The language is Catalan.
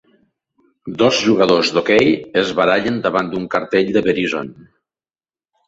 Dos jugadors d'hoquei es barallen davant d'un cartell de Verizon.